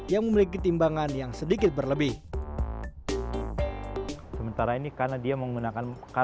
yang memiliki timbangan yang sedikitnya